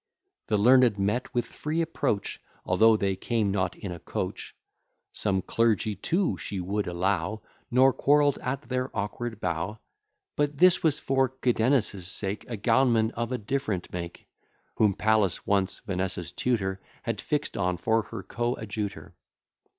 The learned met with free approach, Although they came not in a coach: Some clergy too she would allow, Nor quarrell'd at their awkward bow; But this was for Cadenus' sake, A gownman of a different make; Whom Pallas once, Vanessa's tutor, Had fix'd on for her coadjutor.